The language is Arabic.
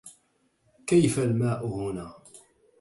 كيف الماء هنا؟